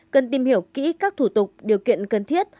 cần tìm hiểu kỹ các thủ tục điều kiện cần thiết